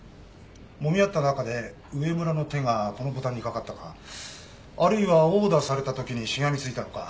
もみ合った中で上村の手がこのボタンにかかったかあるいは殴打されたときにしがみついたのか。